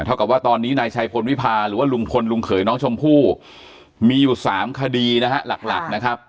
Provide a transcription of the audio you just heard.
กับว่าตอนนี้นายชัยพลวิพาหรือว่าลุงพลลุงเขยน้องชมพู่มีอยู่๓คดีนะฮะหลักหลักนะครับ